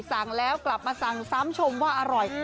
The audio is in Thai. สั่งแล้วกลับมาสั่งซ้ำชมว่าอร่อย